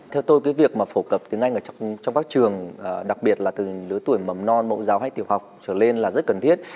theo tôi cái việc mà phổ cập tiếng anh trong các trường đặc biệt là từ lứa tuổi mầm non mẫu giáo hay tiểu học trở lên là rất cần thiết